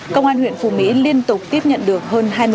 công an huyện phù mỹ liên tục tiếp nhận được hơn hai triệu xe máy